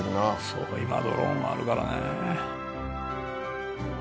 「そう今はドローンがあるからね」